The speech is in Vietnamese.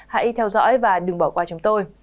hãy theo dõi và đừng bỏ qua chúng tôi